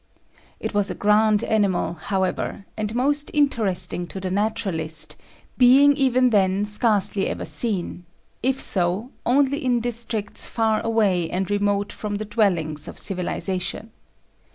It was a grand animal, however, and most interesting to the naturalist, being, even then, scarcely ever seen; if so, only in districts far away and remote from the dwellings of civilisation.